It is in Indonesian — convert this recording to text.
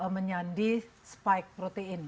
menyandi spike protein